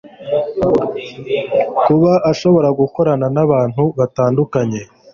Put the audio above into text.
kuba ashobora gukorana n'abantu batandukakanye